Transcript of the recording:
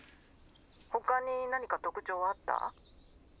☎ほかに何か特徴はあった？